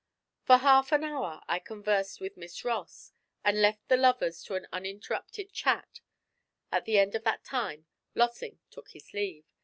For half an hour I conversed with Miss Ross and left the lovers to an uninterrupted chat; at the end of that time Lossing took his leave.